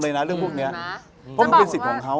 เชิญเลยนะเรื่องพวกเนี้ย